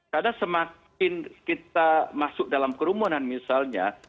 karena semakin kita masuk dalam kerumunan misalnya